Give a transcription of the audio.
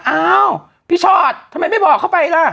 อ้าวพี่ชอตทำไมไม่บอกเข้าไปล่ะ